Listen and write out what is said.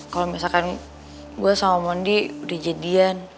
kalau misalkan gue sama mondi udah jadian